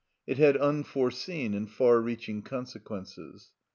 It had unforeseen and far reaching consequences.